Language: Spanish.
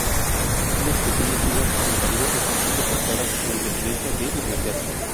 Unas pequeñas islas en el Caribe están siendo forzadas a la independencia de Inglaterra.